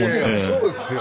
そうですよ。